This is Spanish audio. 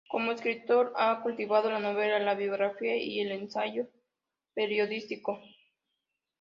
Como escritor ha cultivado la novela, la biografía y el ensayo periodístico.